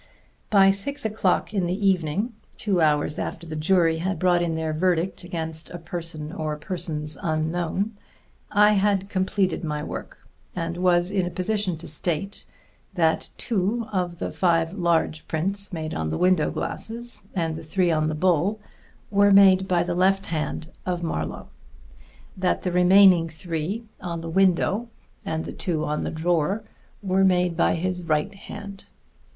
By six o'clock in the evening, two hours after the jury had brought in their verdict against a person or persons unknown, I had completed my work, and was in a position to state that two of the five large prints made on the window glasses, and the three on the bowl, were made by the left hand of Marlowe; that the remaining three on the window and the two on the drawer were made by his right hand.